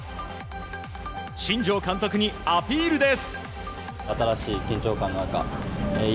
新庄監督にアピールです。